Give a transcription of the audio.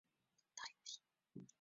我弟又闹着要回家打游戏。